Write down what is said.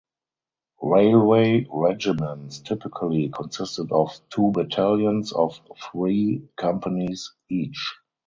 Railway regiments typically consisted of two battalions of three companies each.